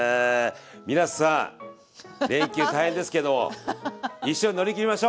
皆さん連休大変ですけども一緒に乗り切りましょう！